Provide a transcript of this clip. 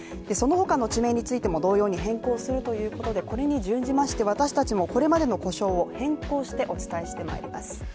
その他の地名についても同様に変更するということでこれに準じまして、私たちの呼称も変更してお伝えしてまいります。